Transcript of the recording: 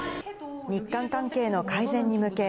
日韓関係の改善に向け、